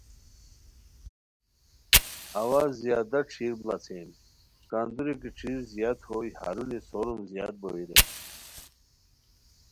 اوا زیادہ ݯھیر بڑاڅھئیم کندوری کی ݯھیر زیاد ہوئے ہرونی سوروم زیاد بوئے رے